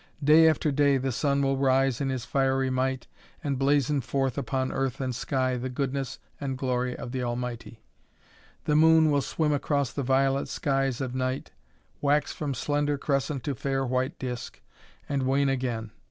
Day after day the sun will rise in his fiery might and blazon forth upon earth and sky the goodness and the glory of the Almighty. The moon will swim across the violet skies of night, wax from slender crescent to fair white disk, and wane again.